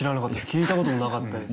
聞いた事もなかったです。